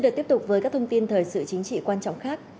xin được tiếp tục với các thông tin thời sự chính trị quan trọng khác